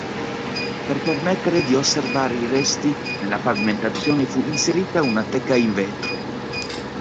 Per permettere di osservare i resti, nella pavimentazione fu inserita una teca in vetro.